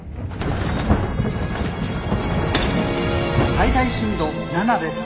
「最大震度７です。